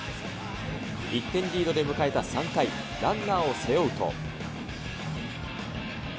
１点リードで迎えた３回、ランナーを背負うと。